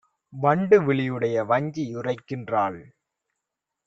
வண்டு விழியுடைய வஞ்சி யுரைக்கின்றாள்: